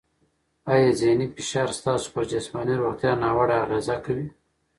آیا ذهني فشار ستاسو پر جسماني روغتیا ناوړه اغېزه کوي؟